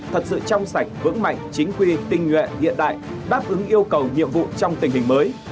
thật sự trong sạch vững mạnh chính quy tinh nguyện hiện đại đáp ứng yêu cầu nhiệm vụ trong tình hình mới